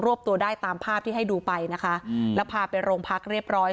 วบตัวได้ตามภาพที่ให้ดูไปนะคะแล้วพาไปโรงพักเรียบร้อย